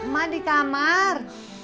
mak di kamar